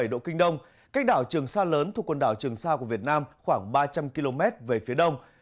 một trăm một mươi bốn bảy độ kinh đông cách đảo trường sa lớn thuộc quần đảo trường sa của việt nam khoảng ba trăm linh km về phía đông